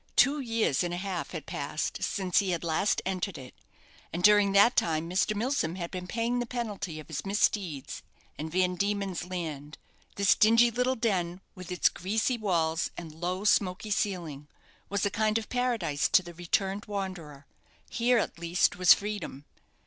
Two years and a half had passed since he had last entered it; and during that time Mr. Milsom had been paying the penalty of his misdeeds in Van Dieman's Land. This dingy little den, with its greasy walls and low, smoky ceiling, was a kind of paradise to the returned wanderer. Here, at least, was freedom.